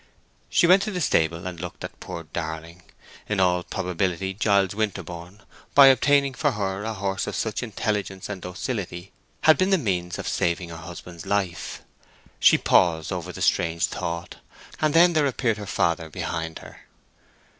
She went to the stable and looked at poor Darling: in all probability Giles Winterborne, by obtaining for her a horse of such intelligence and docility, had been the means of saving her husband's life. She paused over the strange thought; and then there appeared her father behind her.